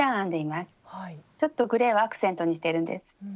ちょっとグレーをアクセントにしてるんです。